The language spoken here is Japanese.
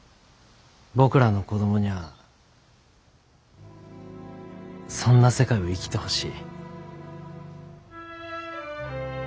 僕らの子供にゃあそんな世界を生きてほしい。